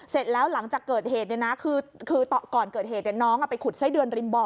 เสร็จแล้วหลังจากเกิดเหตุเนี้ยนะคือคือก่อนเกิดเหตุเนี้ยน้องอ่ะไปขุดไส้เดือนริมบ่อ